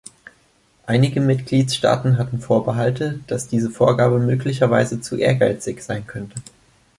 Einige Mitgliedstaaten hatten Vorbehalte, dass diese Vorgabe möglicherweise zu ehrgeizig sein könnte.